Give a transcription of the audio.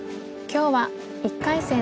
今日は１回戦